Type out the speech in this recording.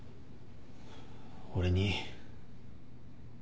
俺に。